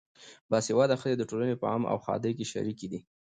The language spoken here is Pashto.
باسواده ښځې د ټولنې په غم او ښادۍ کې شریکې دي.